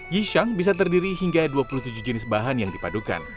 yishang bisa terdiri hingga dua puluh tujuh jenis bahan yang dipadukan